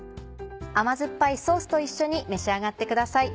甘酸っぱいソースと一緒に召し上がってください。